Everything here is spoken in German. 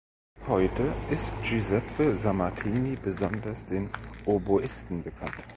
Heute ist Giuseppe Sammartini besonders den Oboisten bekannt.